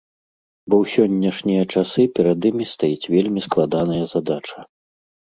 Бо ў сённяшнія часы перад імі стаіць вельмі складаная задача.